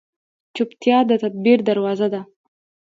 چپتیا، د تدبیر دروازه ده.